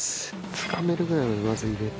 つかめるぐらいにまず入れて。